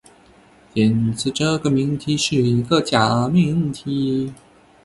因此，这个命题是一个假命题。